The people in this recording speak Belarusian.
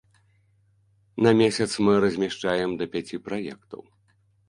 На месяц мы размяшчаем да пяці праектаў.